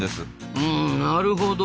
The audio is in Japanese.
うんなるほど。